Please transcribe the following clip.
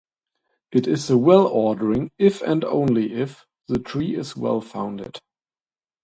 It is a well-ordering iff the tree is well-founded.